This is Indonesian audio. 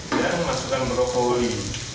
dan masukkan brokoli